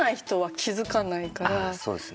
ああそうですね。